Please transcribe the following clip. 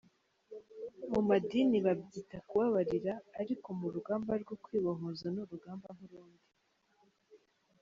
Mu madini babyita kubabarira ariko mu rugamba rwo kwibohoza ni urugamba nk’ urundi.”